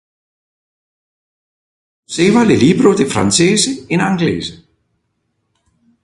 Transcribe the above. Ille traduceva le libro de francese in anglese.